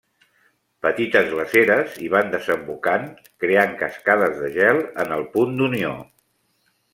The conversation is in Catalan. Petites glaceres hi van desembocant, creant cascades de gel en el punt d'unió.